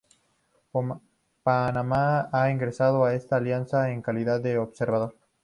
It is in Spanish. Panamá ha ingresado a esta Alianza en calidad de observador.